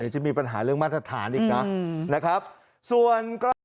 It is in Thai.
เดี๋ยวจะมีปัญหาเรื่องมาตรฐานอีกนะ